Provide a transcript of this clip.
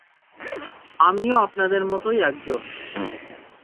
আমিও আপনাদের মতোই একজন।